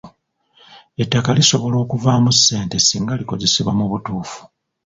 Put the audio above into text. Ettaka lisobola okuvaamu ssente singa likozesebwa mu butuufu.